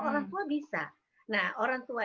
orang tua bisa nah orang tua